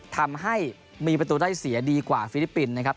ทำให้มีประตูได้เสียดีกว่าฟิลิปปินส์นะครับ